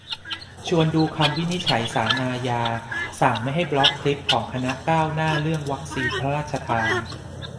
ชวนดูคำวินิจฉัยศาลอาญา สั่งไม่ให้บล็อกคลิปของคณะก้าวหน้าเรื่องวัคซีนพระราชทาน